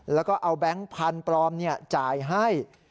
แล้วก็เอาแบงค์พันธุ์ปลอมจ่ายให้